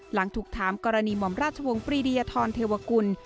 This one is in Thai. หลังถูกถามกรณีหม่อมราชวงศ์ปรีดียทรเทวกุล